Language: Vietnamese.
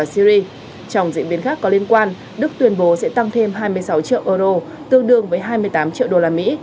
trong diễn biến khác có liên quan đức tuyên bố sẽ tăng thêm hai mươi sáu triệu euro tương đương với hai mươi tám triệu đô la mỹ